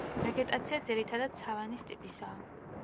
ვეგეტაცია ძირითადად სავანის ტიპისაა.